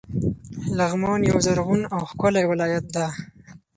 لغمان یو زرغون او ښکلی ولایت ده.